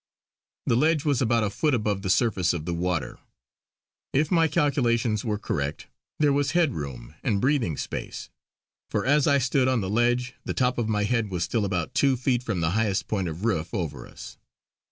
The ledge was about a foot above the surface of the water. If my calculations were correct there was head room and breathing space, for as I stood on the ledge the top of my head was still about two feet from the highest point of roof over us.